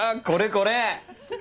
これこれ！